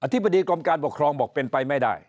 ธิบดีกรมการปกครองบอกเป็นไปไม่ได้